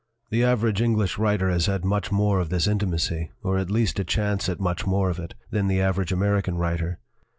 "The average English writer has had much more of this intimacy, or at least a chance at much more of it, than the average American writer.